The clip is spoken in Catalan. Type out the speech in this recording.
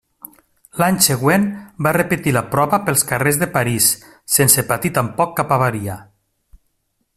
L'any següent va repetir la prova pels carrers de París sense patir tampoc cap avaria.